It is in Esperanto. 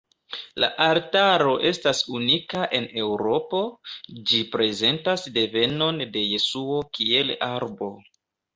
La altaro estas unika en Eŭropo, ĝi prezentas devenon de Jesuo, kiel arbo.